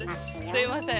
すいません